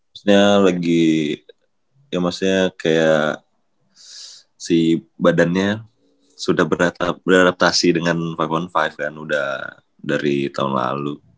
maksudnya lagi ya maksudnya kayak si badannya sudah beradaptasi dengan lima kan udah dari tahun lalu